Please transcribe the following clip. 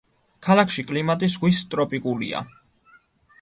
ქალაქში კლიმატი ზღვის ტროპიკულია.